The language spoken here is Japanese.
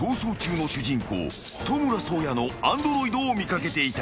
トムラ颯也のアンドロイドを見掛けていた］